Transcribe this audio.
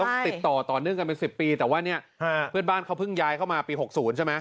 ติดต่อต่อเนื่องกันเป็น๑๐ปีแต่ว่าเนี่ยเพื่อนบ้านเขาเพิ่งย้ายเข้ามาปี๖๐ใช่ไหม